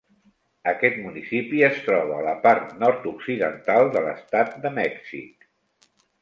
Aquest municipi es troba a la part nord-occidental de l'estat de Mèxic.